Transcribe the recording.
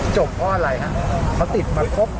จบเพราะอะไรครับเขาติดมาครบ